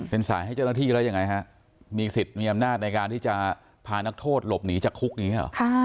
เป็นสายให้เจ้าหน้าที่แล้วยังไงฮะมีสิทธิ์มีอำนาจในการที่จะพานักโทษหลบหนีจากคุกอย่างนี้หรอ